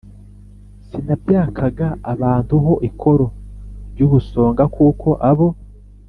sinabyakaga abantu ho ikoro ry ubusonga kuko abo